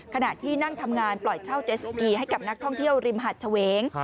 ขณะที่นั่งทำงานปล่อยเช่าเจสกีให้กับนักท่องเที่ยวริมหาดเฉวง